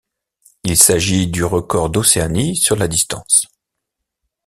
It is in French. Il s'agit du record d'Océanie sur la distance.